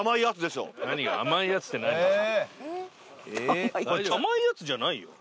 甘いやつじゃないよ。